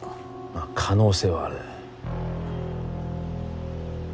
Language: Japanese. まあ可能性はある。